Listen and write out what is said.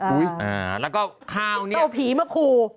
อุ๊ยเอาผีมาครู